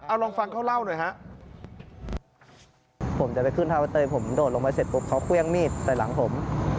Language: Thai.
เอาลองฟังเขาเล่าหน่อยครับ